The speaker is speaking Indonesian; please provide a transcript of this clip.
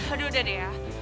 aduh udah deh ya